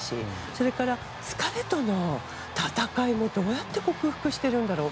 それから疲れとの戦いをどうやって克服しているんだろう。